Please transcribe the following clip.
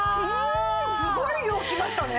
すごい量きましたね。